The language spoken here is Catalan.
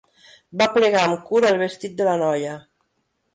Va aplegar amb cura el vestit de la noia.